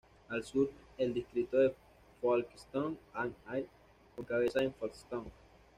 Al sur el distrito de Folkestone and Hythe, con cabeza en Folkestone.